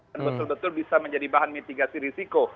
dan betul betul bisa menjadi bahan mitigasi risiko